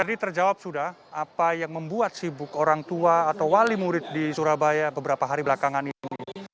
tadi terjawab sudah apa yang membuat sibuk orang tua atau wali murid di surabaya beberapa hari belakangan ini